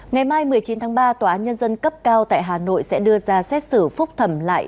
ngày mai một mươi chín tháng ba tòa án nhân dân cấp cao tại hà nội sẽ đưa ra xét xử phúc thẩm lại